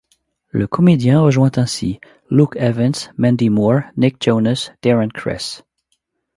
Le comédien rejoint ainsi Luke Evans, Mandy Moore, Nick Jonas, Darren Criss.